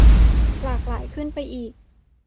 หลากหลายขึ้นไปอีก